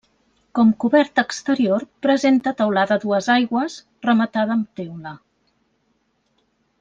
Com coberta exterior presenta teulada a dues aigües, rematada amb teula.